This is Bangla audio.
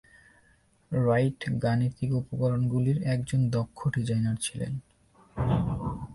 রাইট গাণিতিক উপকরণগুলির একজন দক্ষ ডিজাইনার ছিলেন।